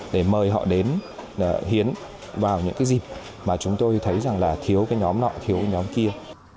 để mời họ đến hiến vào những cái gì mà chúng tôi thấy là thiếu cái nhóm nọ thiếu cái nhóm kia